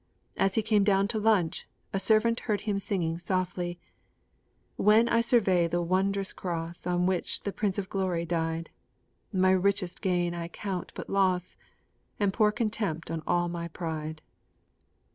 As he came down to lunch, a servant heard him singing softly: When I survey the wondrous Cross On which the Prince of Glory died, My richest gain I count but loss, And pour contempt on all my pride.